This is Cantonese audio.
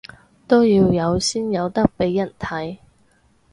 都要有先有得畀人睇